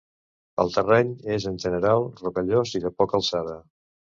El terreny és en general, rocallós i de poca alçada.